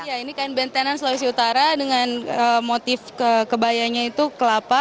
iya ini kain bentengan sulawesi utara dengan motif kebayanya itu kelapa